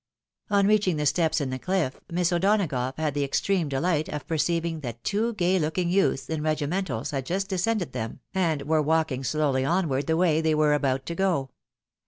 On reaching the steps in the cliff. Miss O'Donagough had the extreme delight of perceiving that two gay looking youths in regimentals had just descended them, and were walking slowly onward the way they were about to go.